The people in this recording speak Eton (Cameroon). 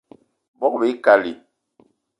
Bogb-ikali